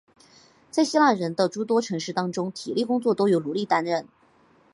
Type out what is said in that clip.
在希腊人的诸多城市中体力工作都由奴隶担任。